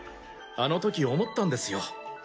あのとき思ったんですよ。